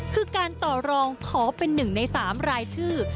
คือการต่อรองขอเป็นหนึ่งในสามรายทื่อ